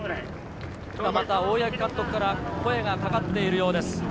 また、大八木監督から声がかかっているようです。